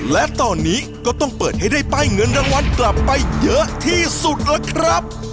และตอนนี้ก็ต้องเปิดให้ได้ป้ายเงินรางวัลกลับไปเยอะที่สุดล่ะครับ